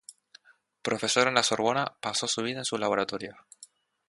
Profesor en la Sorbona, pasó su vida en sus laboratorios.